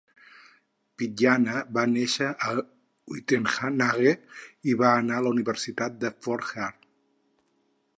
Pityana va néixer a Uitenhage i va anar a la Universitat de Fort Hare.